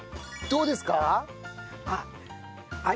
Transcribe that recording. そうですか。